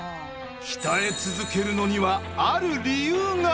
鍛え続けるのにはある理由が。